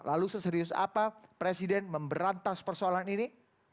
lalu seserius apa presiden memberantas persoalan ini